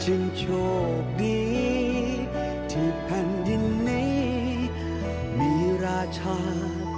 จึงโชคดีที่แผ่นดินนี้มีราชาพูดส่งทั้ง